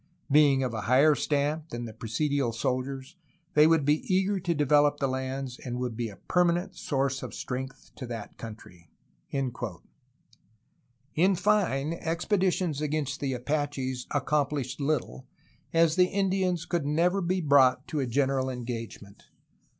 Being of a higher stamp than the pre sidial soldiers they would be eager to develop their lands, and would be a permanent source of strength to that country." In fine, expeditions against the Apaches accomplished little, as the Indians could never be brought to a general engage ment.